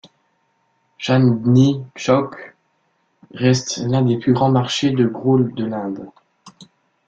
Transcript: Chandni Chowk reste l'un des plus grands marchés de gros de l'Inde.